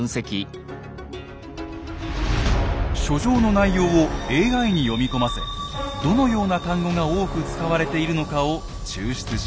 書状の内容をＡＩに読み込ませどのような単語が多く使われているのかを抽出します。